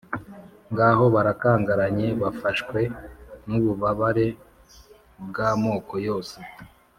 Ngaho barakangaranye, bafashwe n’ububabare bw’amoko yose,